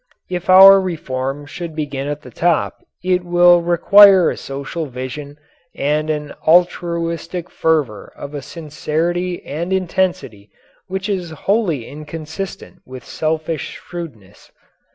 If our reform should begin at the top it will require a social vision and an altruistic fervour of a sincerity and intensity which is wholly inconsistent with selfish shrewdness.